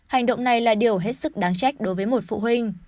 hành động này là điều hết sức đáng trách đối với một phụ huynh